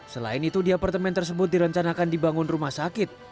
selain itu di apartemen tersebut direncanakan dibangun rumah sakit